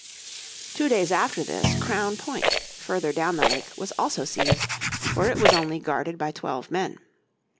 Two days after this Crown Point, further down the lake, was also seized, for it was only guarded by twelve men.